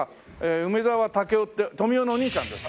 梅沢武生って富美男のお兄ちゃんです。